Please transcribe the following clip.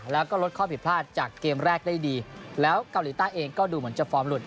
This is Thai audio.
แล้วก็ลดข้อผิดพลาดจากเกมแรกได้ดีแล้วเกาหลีใต้เองก็ดูเหมือนจะฟอร์มหลุด